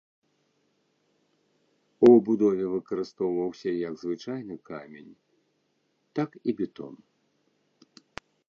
У будове выкарыстоўваўся як звычайны камень, так і бетон.